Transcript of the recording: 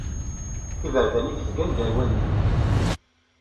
Iberdan-ik zgan gar wallen-iw.